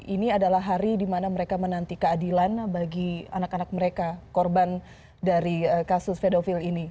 ini adalah hari di mana mereka menanti keadilan bagi anak anak mereka korban dari kasus pedofil ini